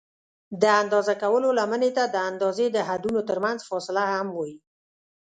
د اندازه کولو لمنې ته د اندازې د حدونو ترمنځ فاصله هم وایي.